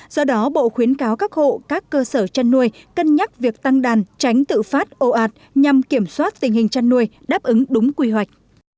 do đó bộ khuyến cáo các hộ các cơ sở chăn nuôi cân nhắc việc tăng đàn tránh tự phát ồ ạt nhằm kiểm soát tình hình chăn nuôi đáp ứng đúng quy hoạch